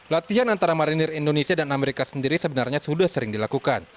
latihan antara marinir indonesia dan amerika sendiri sebenarnya sudah sering dilakukan